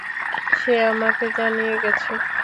সে আমাকে জানিয়ে গেছে।